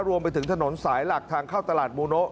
รวมไปถึงถนนสายหลักทางเข้าตลาดมูโนะ